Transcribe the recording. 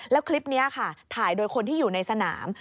แล้วคลิปนี้ค่ะถ่ายโดยคนที่อยู่ในสนาม